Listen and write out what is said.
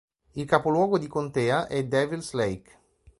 Il capoluogo di contea è Devils Lake.